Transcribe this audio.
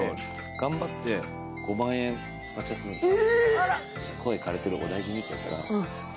頑張って５万円、スパチャするんですよ。